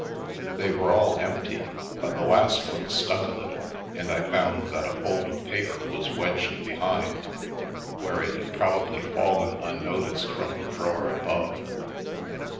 They were all empty, but the last one stuck a little, and I found that a fold of paper was wedged behind, where it had probably fallen unnoticed from the drawer above.